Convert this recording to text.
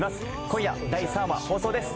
今夜第３話放送です。